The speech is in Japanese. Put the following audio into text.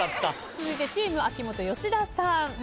続いてチーム秋元吉田さん。